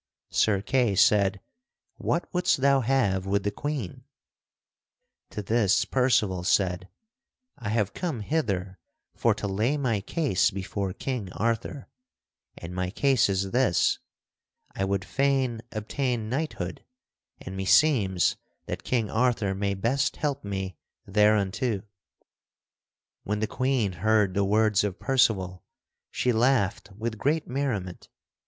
Sir Kay said, "What wouldst thou have with the Queen?" To this Percival said: "I have come hither for to lay my case before King Arthur, and my case is this: I would fain obtain knighthood, and meseems that King Arthur may best help me thereunto." [Sidenote: Sir Kay chides Percival] When the Queen heard the words of Percival she laughed with great merriment.